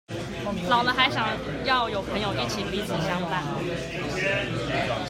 老了還想要有朋友一起彼此相伴